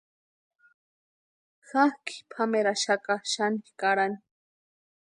Jakʼi pʼameraaxaka xani karani.